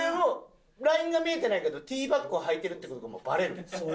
ラインが見えてないけどＴバックをはいてるって事がもうバレるんですよ。